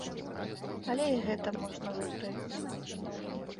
Але і гэта можна выправіць.